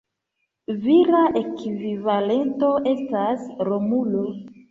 Vira ekvivalento estas Romulo.